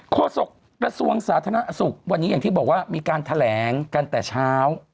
โศกระทรวงสาธารณสุขวันนี้อย่างที่บอกว่ามีการแถลงกันแต่เช้า